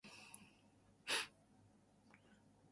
It is named after and developed around a sawmill.